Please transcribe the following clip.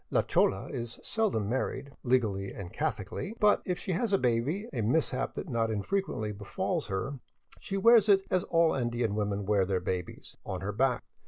La chola is seldom married * legally and Catholicly," but if she has a baby, a mishap that not infrequently befalls her, she wears it as all Andean women wear their babies, — on her back.